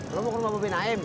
lu mau ke rumah bapak naim